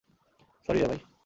Sorry রে ভাই!